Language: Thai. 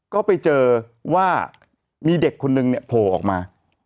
ก็ไปเจอว่ามีเด็กคนนึงเนี่ยโผล่ออกมา